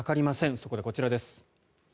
そこでこちらです。